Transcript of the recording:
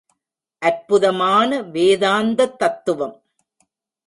அற்புதமான வேதாந்தத் தத்துவம்.